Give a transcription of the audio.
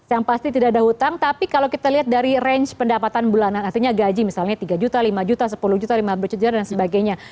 yang pasti tidak ada hutang tapi kalau kita lihat dari range pendapatan bulanan artinya gaji misalnya tiga juta lima juta sepuluh juta lima ratus bercerita dan sebagainya